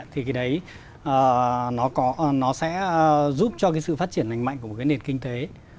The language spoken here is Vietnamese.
thì cái đấy nó sẽ giúp cho cái sự phát triển nành mạnh của một cái nền kinh tế